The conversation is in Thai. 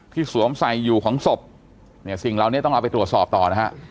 สวมใส่อยู่ของศพเนี่ยสิ่งเหล่านี้ต้องเอาไปตรวจสอบต่อนะฮะ